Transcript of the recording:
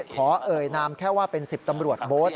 เอ่ยนามแค่ว่าเป็น๑๐ตำรวจโบ๊ท